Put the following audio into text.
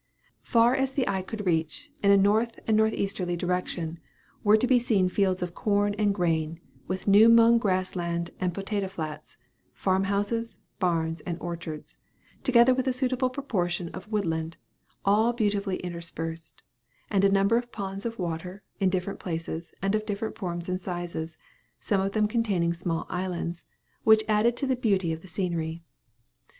Far as the eye could reach, in a north and north easterly direction, were to be seen fields of corn and grain, with new mown grass land, and potato flats, farm houses, barns, and orchards together with a suitable proportion of wood land, all beautifully interspersed; and a number of ponds of water, in different places, and of different forms and sizes some of them containing small islands, which added to the beauty of the scenery.